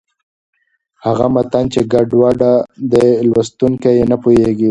هغه متن چې ګډوډه دی، لوستونکی یې نه پوهېږي.